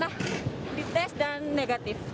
tadi di test dan negatif